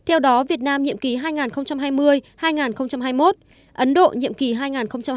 theo đó việt nam nhiệm kỳ hai nghìn hai mươi hai nghìn hai mươi một ấn độ nhiệm kỳ hai nghìn hai mươi hai nghìn hai mươi năm